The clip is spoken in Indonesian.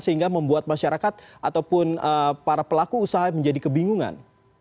sehingga membuat masyarakat ataupun para pelaku usaha menjadi kebingungan